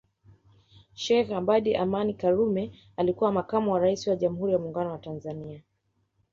Sheikh Abeid Amani Karume alikuwa Makamu wa Rais wa Jamhuri ya Muungano wa Tanzania